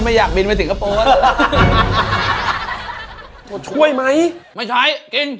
มันแล้วสี่จาน